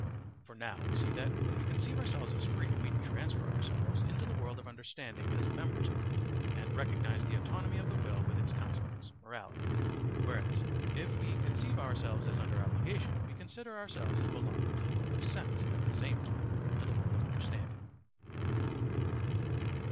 For now we see that, when we conceive ourselves as free, we transfer ourselves into the world of understanding as members of it and recognise the autonomy of the will with its consequence, morality; whereas, if we conceive ourselves as under obligation, we consider ourselves as belonging to the world of sense and at the same time to the world of understanding.